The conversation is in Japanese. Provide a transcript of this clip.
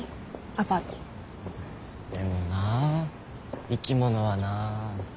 でもな生き物はなぁ。